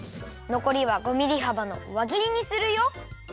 のこりは５ミリはばのわぎりにするよ。